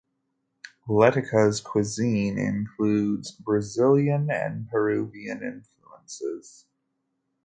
Leticia's cuisine includes Brazilian and Peruvian influences.